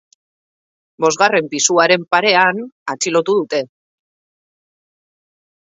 Bosgarren pisuaren parean atxilotu dute.